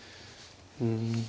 うん。